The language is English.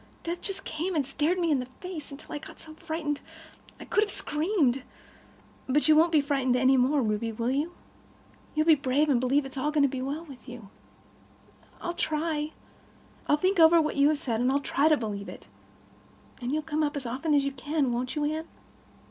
Death just came and stared me in the face, until I got so frightened I could have screamed. "But you won't be frightened any more, Ruby, will you? You'll be brave, and believe that all is going to be well with you." "I'll try. I'll think over what you have said, and try to believe it. And you'll come up as often as you can, won't you, Anne?"